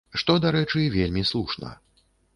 Што, дарэчы, вельмі слушна.